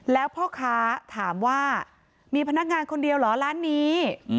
แล้วพ่อค้าถามว่ามีพนักงานคนเดียวเหรอร้านนี้